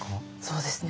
そうですね。